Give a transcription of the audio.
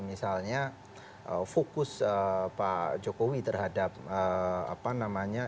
misalnya fokus pak jokowi terhadap apa namanya